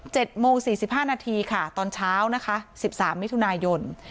เจ็ดโมง๔๕นาทีค่ะตอนเช้านะคะ๑๓มิถุนายน